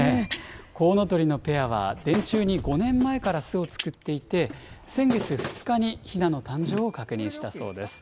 コウノトリのペアは、電柱に５年前から巣を作っていて、先月２日にヒナの誕生を確認したそうです。